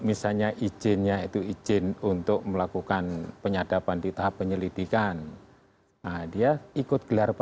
misalnya izinnya itu izin untuk melakukan penyadapan di tahap penyelidikan dia ikut gelar